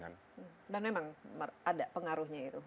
dan memang ada pengaruhnya itu